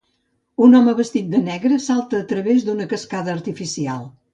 Un home tot vestit de negre salta a través d'una cascada artificial.